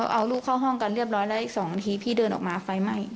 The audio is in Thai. เอาลูกเข้าห้องกันเรียบร้อยแล้วอีก๒นาทีพี่เดินออกมาไฟไหม้